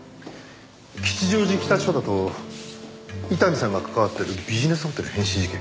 吉祥寺北署だと伊丹さんが関わってるビジネスホテル変死事件。